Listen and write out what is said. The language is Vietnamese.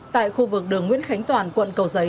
tại khu vực đường nguyễn khánh toàn quận cầu giấy